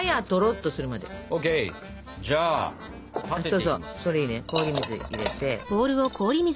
そうそうそれいいね氷水入れて。